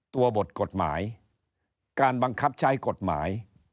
บทกฎหมายการบังคับใช้กฎหมาย